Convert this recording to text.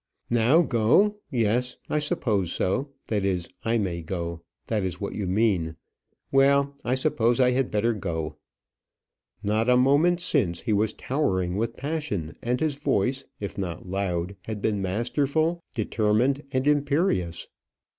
"Now go! yes; I suppose so. That is, I may go. That is what you mean. Well, I suppose I had better go." Not a moment since he was towering with passion, and his voice, if not loud, had been masterful, determined, and imperious.